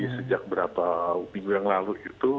sejak berapa minggu yang lalu itu